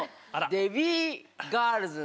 デヴィガールズ！